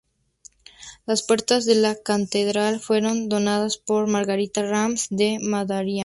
Las puertas de la Catedral fueron donadas por Margarita Rams de Madariaga.